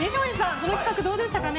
この企画どうでしたか？